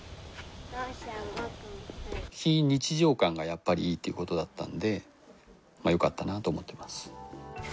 非日常感がやっぱりいいって事だったんでよかったなと思ってます。